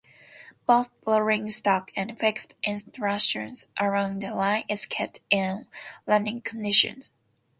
Both rolling stock and fixed installations along the line is kept in running condition.